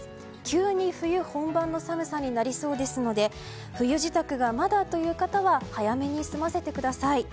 急に冬本番の寒さになりそうですので冬支度がまだという方は早めに済ませてください。